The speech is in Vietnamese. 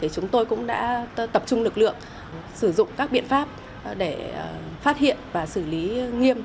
chúng tôi cũng đã tập trung lực lượng sử dụng các biện pháp để phát hiện và xử lý nghiêm